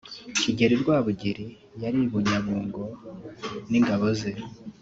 Kigeli Rwabugili yari i Bunyabungo n’ingabo ze